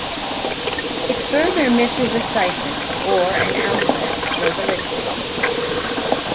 It further misses a siphon or an outlet for the liquid.